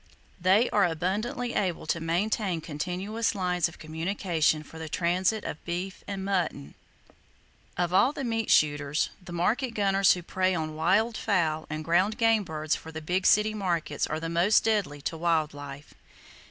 They are abundantly able to maintain continuous lines of communication for the transit of beef and mutton. Of all the meat shooters, the market gunners who prey on wild fowl and ground game birds for the big city markets are the most deadly to wild life.